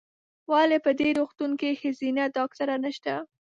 ولې په دي روغتون کې ښځېنه ډاکټره نشته ؟